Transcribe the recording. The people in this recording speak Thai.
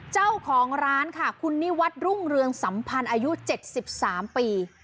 เจ้าของร้านค่ะคุณนิวัฒน์รุ่งเรืองสัมพันธ์อายุ๗๓ปี